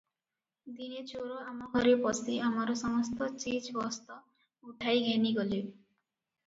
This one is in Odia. ଦିନେ ଚୋର ଆମ ଘରେ ପଶି ଆମର ସମସ୍ତ ଚିଜବସ୍ତ ଉଠାଇ ଘେନିଗଲେ ।